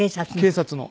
警察の。